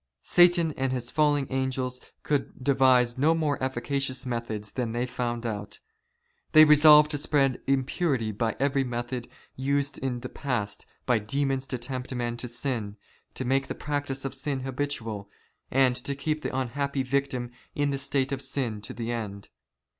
Satan and his fallen angels could devise no more efficacious methods than they found out. They resolved to spread impurity by every method used in the past by demons to tempt men to sin, to make the practice of sin habitual, and to keep the unhappy victim in the state of sin to the end.